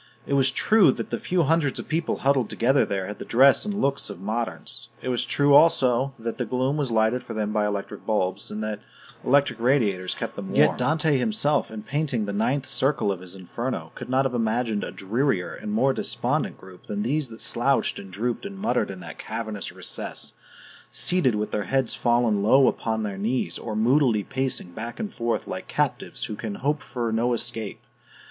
It was true that the few hundreds of people huddled together there had the dress and looks of moderns; it was true, also, that the gloom was lighted for them by electric bulbs, and that electric radiators kept them warm; yet Dante himself, in painting the ninth circle of his Inferno, could not have imagined a drearier and more despondent group than these that slouched and drooped and muttered in that cavernous recess, seated with their heads fallen low upon their knees, or moodily pacing back and forth like captives who can hope for no escape.